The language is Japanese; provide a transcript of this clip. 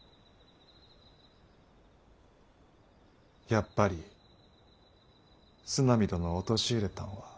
やっぱり角南殿を陥れたんはお前か。